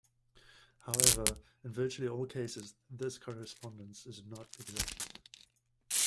However, in virtually all cases, this correspondence is not exact.